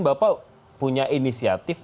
bapak punya inisiatif